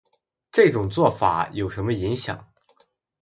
这种做法有什么影响